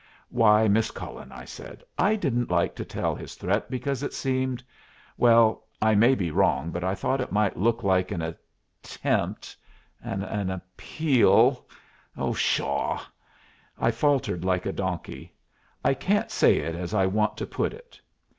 "Why, Miss Cullen," I said, "I didn't like to tell his threat, because it seemed well, I may be wrong, but I thought it might look like an attempt an appeal Oh, pshaw!" I faltered, like a donkey, "I can't say it as I want to put it."